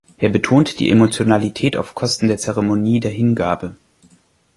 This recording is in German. Er betonte die Emotionalität auf Kosten der Zeremonie der Hingabe.